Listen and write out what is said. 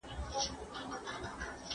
پر کشپ باندي شېبې نه تېرېدلې